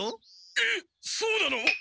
えっそうなの？